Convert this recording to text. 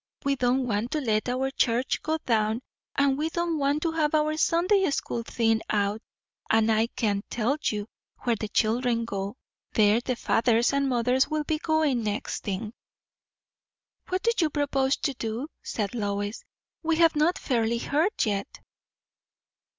We don't want to let our church go down, and we don't want to have our Sunday school thinned out; and I can tell you, where the children go, there the fathers and mothers will be going, next thing." "What do you propose to do?" said Lois. "We have not fairly heard yet."